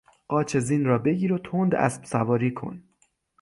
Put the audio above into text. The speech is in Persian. قاچ زین را بگیر و تند اسبسواری کن.